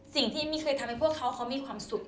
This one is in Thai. สิ่งที่มีเคยทำให้พวกเขาเขามีความสุข